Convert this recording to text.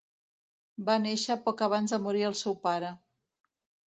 Va néixer poc abans de morir el seu pare.